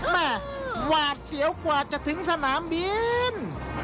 หวาดเสียวกว่าจะถึงสนามบิน